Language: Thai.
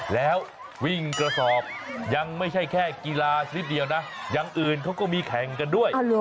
แล้ววิ่งกระสอบยังไม่ใช่แค่กีฬาชนิดเดียวนะอย่างอื่นเขาก็มีแข่งกันด้วย